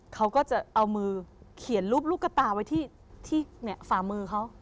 เขาก็จะเอามือเขียนรูปลูกกระตาไว้ที่ฝ่ามือเขา